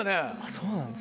そうなんですね。